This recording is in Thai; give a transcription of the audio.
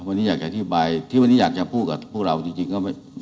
วันนี้อยากจะอธิบายที่วันนี้อยากจะพูดกับพวกเราจริงก็ไม่